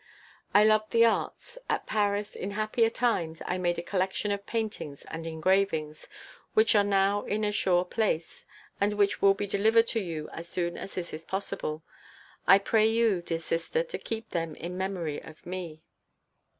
I loved the arts; at Paris, in happier times, I made a collection of paintings and engravings, which are now in a sure place, and which will be delivered to you so soon as this is possible. I pray you, dear sister, to keep them in memory of me.